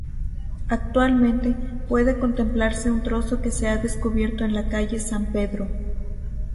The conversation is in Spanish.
Actualmente puede contemplarse un trozo que se ha descubierto en la calle San Pedro.